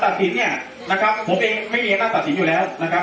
ตัดสินเนี่ยนะครับผมเองไม่มีอำนาจตัดสินอยู่แล้วนะครับ